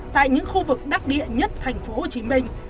tại những khu vực đắc địa nhất thành phố hồ chí minh